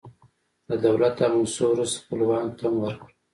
له دولت او موسسو وروسته، خپلوانو ته هم ورکړه.